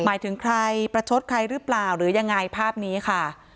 หมายถึงใครประชดใครหรือเปล่าหรือยังไงภาพนี้ค่ะ